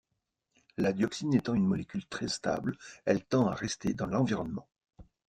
La dioxine étant une molécule très stable, elle tend à rester dans l'environnement.